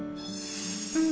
うん。